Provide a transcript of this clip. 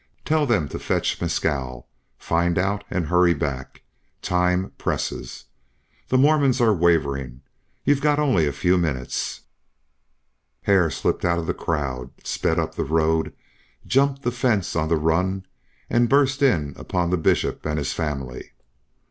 "Tell them to fetch Mescal. Find out and hurry back. Time presses. The Mormons are wavering. You've got only a few minutes." Hare slipped out of the crowd, sped up the road, jumped the fence on the run, and burst in upon the Bishop and his family.